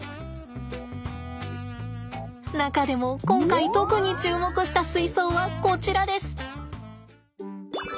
中でも今回特に注目した水槽はこちらです。